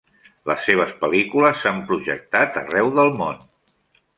Les seves pel·lícules s'han projectat arreu del món.